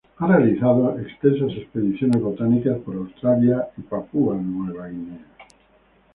Ha realizado extensas expediciones botánicas por Australia, y Papua Nueva Guinea.